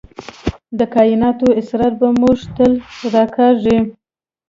د کائنات اسرار به موږ تل راکاږي.